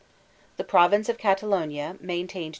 The province of Catalonia maintained 2.